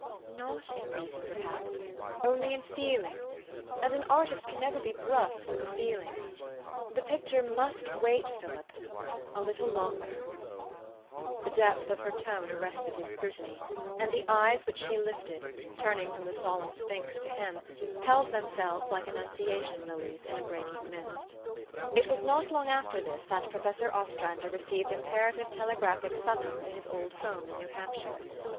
"" Not in reason perhaps, only in feeling ; and an artist can never be brusque with a feeling. The pic ture must wait, Philip a little longer." THE STORY OF AVIS. 263 The depth of her tone arrested his scrutiny ; and the eyes which she lifted, turning from the solemn sphinx to him, held themselves like annunciation lilies in a breaking mist. It was not long after this that Professor Ostrander received imperative telegraphic summons to his old home in New Hampshire.